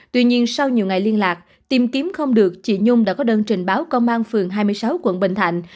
tuy nhiên sau nhiều ngày liên lạc tìm kiếm không được chị nhung đã có đơn trình báo công an phường hai mươi sáu quận bình thạnh